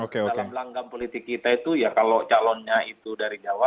dalam langgam politik kita itu ya kalau calonnya itu dari jawa